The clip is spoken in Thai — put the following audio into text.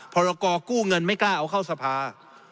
พรกู้เงินไม่กล้าเอาเข้าสภา